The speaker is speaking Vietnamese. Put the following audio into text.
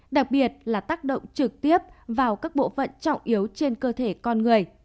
đặc biệt là tác động trực tiếp vào các bộ phận trọng yếu trên cơ thể con người